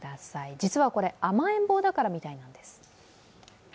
実はこれ、甘えん坊だからみたいなんです。